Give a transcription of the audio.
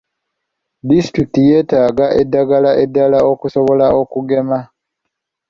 Disitulikiti yeetaaga eddagala eddala okusobola okugema.